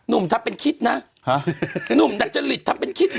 หนุ่มทำเป็นคิดนะฮะหนุ่มนักจริตทำเป็นคิด